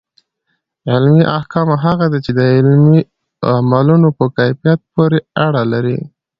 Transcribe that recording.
عملي احکام هغه دي چي د عملونو په کيفيت پوري اړه لري.